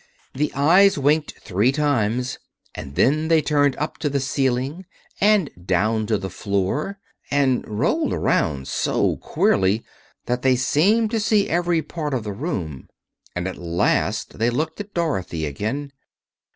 The eyes winked three times, and then they turned up to the ceiling and down to the floor and rolled around so queerly that they seemed to see every part of the room. And at last they looked at Dorothy again.